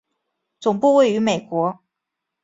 总部位于美国。